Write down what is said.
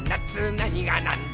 なにがなんでも」